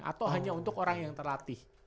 atau hanya untuk orang yang terlatih